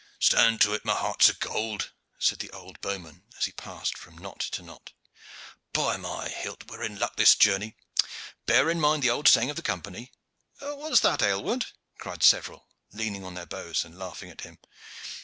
"Stand to it, my hearts of gold," said the old bowman as he passed from knot to knot. "By my hilt! we are in luck this journey. Bear in mind the old saying of the Company." "What is that, Aylward?" cried several, leaning on their bows and laughing at him.